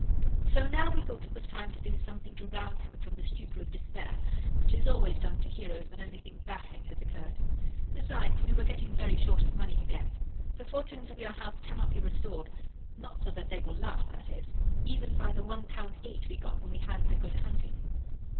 So now we thought it was time to do something to rouse him from the stupor of despair, which is always done to heroes when anything baffling has occurred. Besides, we were getting very short of money again the fortunes of your house cannot be restored (not so that they will last, that is), even by the one pound eight we got when we had the 'good hunting.